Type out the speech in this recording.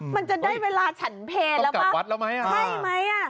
มันจะได้เวลาฉันเพลแล้วกับวัดแล้วไหมอ่ะใช่ไหม